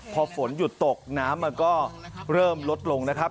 พอฝนหยุดตกน้ำมันก็เริ่มลดลงนะครับ